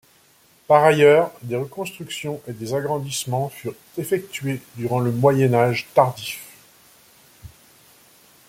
Par ailleurs, des reconstructions et des agrandissements furent effectués durant le Moyen Âge tardif.